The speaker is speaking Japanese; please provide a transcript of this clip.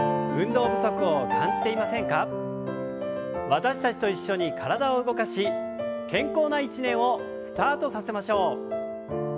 私たちと一緒に体を動かし健康な一年をスタートさせましょう。